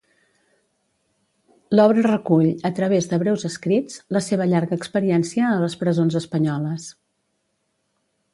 L'obra recull, a través de breus escrits, la seva llarga experiència a les presons espanyoles.